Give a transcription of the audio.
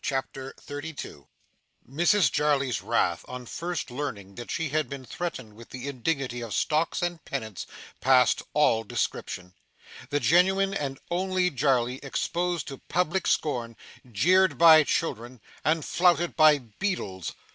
CHAPTER 32 Mrs Jarley's wrath on first learning that she had been threatened with the indignity of Stocks and Penance, passed all description. The genuine and only Jarley exposed to public scorn, jeered by children, and flouted by beadles!